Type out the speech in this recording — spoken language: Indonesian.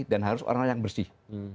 dan harus orang yang bersih